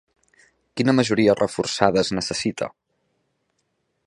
Quina majoria reforçada es necessita?